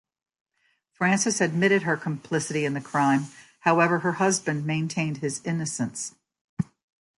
Frances admitted her complicity in the crime; however, her husband maintained his innocence.